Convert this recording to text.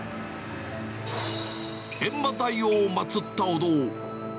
閻魔大王を祭ったお堂。